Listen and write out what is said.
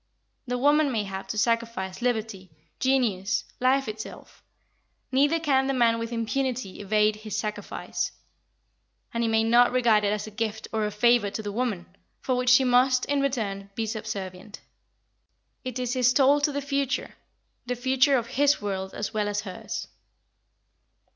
The woman may have to sacrifice liberty, genius, life itself. Neither can the man with impunity evade his sacrifice. And he may not regard it as a gift or a favour to the woman, for which she must, in return, be subservient. It is his toll to the future, the future of his world as well as hers.